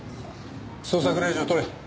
捜索令状取れ。